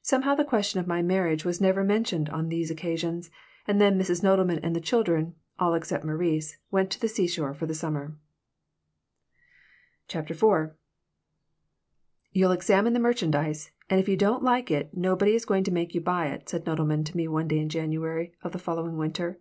Somehow the question of my marriage was never mentioned on these occasions, and then Mrs. Nodelman and the children, all except Maurice, went to the seashore for the summer CHAPTER IV "YOU'LL examine the merchandise, and if you don't like it nobody is going to make you buy it," said Nodelman to me one day in January of the following winter.